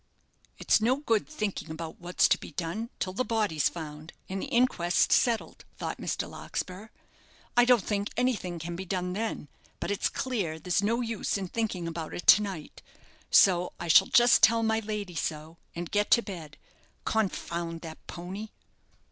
"It's no good thinking about what's to be done, till the body's found, and the inquest settled," thought Mr. Larkspur. "I don't think anything can be done then, but it's clear there's no use in thinking about it to night. So I shall just tell my lady so, and get to bed. Confound that pony!"